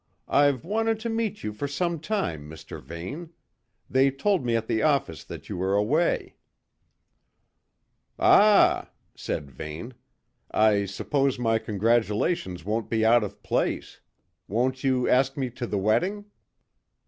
I've wanted to meet you for some time, Mr. Vane. They told me at the office that you were away." "Ah!" said Vane, "I suppose my congratulations won't be out of place. Won't you ask me to the wedding?"